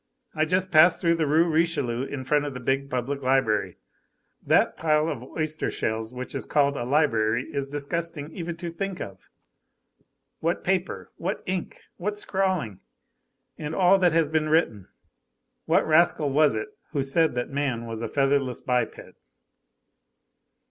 I just passed through the Rue Richelieu, in front of the big public library. That pile of oyster shells which is called a library is disgusting even to think of. What paper! What ink! What scrawling! And all that has been written! What rascal was it who said that man was a featherless biped?